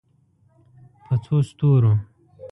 په څو ستورو